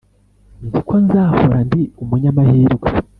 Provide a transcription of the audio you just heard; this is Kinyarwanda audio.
nzi ko nzahora ndi umunyamahirwe